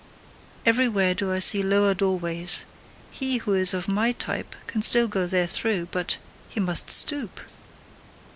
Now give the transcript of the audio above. Everywhere do I see lower doorways: he who is of MY type can still go therethrough, but he must stoop!